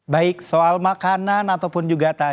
baik soal makanan ataupun juga tajil mas priyan